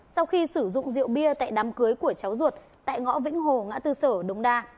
sau khi sử dụng rượu bia tại đám cưới của cháu ruột tại ngõ vĩnh hồ ngã tư sở đống đa